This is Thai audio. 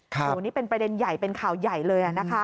ครับวันนี้เป็นประเด็นใหญ่เป็นข่าวใหญ่เลยอ่ะนะคะ